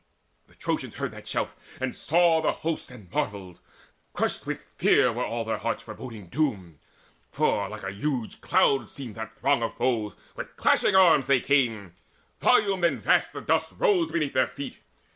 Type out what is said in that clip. The Trojans heard that shout, and saw that host, And marvelled. Crushed with fear were all their hearts Foreboding doom; for like a huge cloud seemed That throng of foes: with clashing arms they came: Volumed and vast the dust rose 'neath their feet.